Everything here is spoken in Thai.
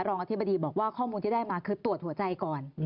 อธิบดีบอกว่าข้อมูลที่ได้มาคือตรวจหัวใจก่อน